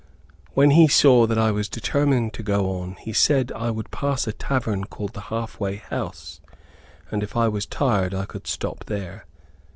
When he saw that I was determined to go on, he said I would pass a tavern called the half way house, and if I was tired I could stop there.